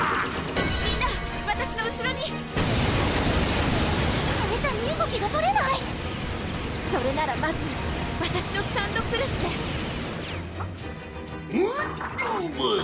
みんなわたしの後ろにこれじゃ身動きが取れないそれならまずわたしのサンドプレスでウッウバ！